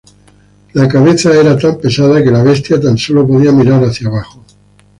La cabeza era tan pesada que la bestia tan solo podía mirar hacia abajo.